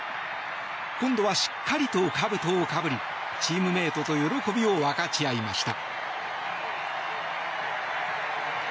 今度は、しっかりとかぶとをかぶりチームメートと喜びを分かち合いました。